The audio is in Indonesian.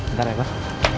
ntar ya pak